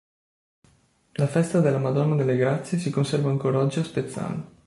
La festa della Madonna delle Grazie si conserva ancor oggi a Spezzano.